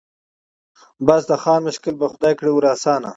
بس د خان مشکل به خدای کړي ور آسانه